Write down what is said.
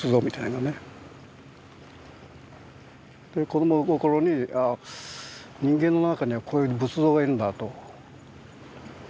子供心に人間の中にはこういう仏像がいるんだとそう思った。